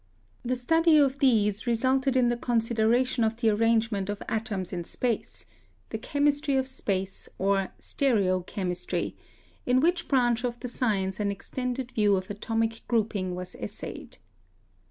The study of these resulted in the consideration of the arrangement of atoms in space — the chemistry of space, or Stereochem istry, in which branch of the science an extended view of atomic grouping was essayed.